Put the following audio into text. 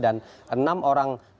dan enam orang tersangka